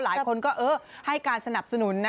หลายคนให้การสนับสนุน